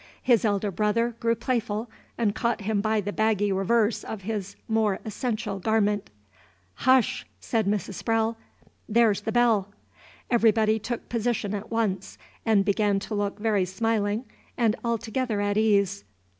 His elder brother grew playful, and caught him by the baggy reverse of his more essential garment. "Hush!" said Mrs. Sprowle, "there 's the bell!" Everybody took position at once, and began to look very smiling and altogether at ease.